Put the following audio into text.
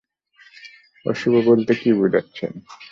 অশুভ বলতে কী বোঝাচ্ছেন?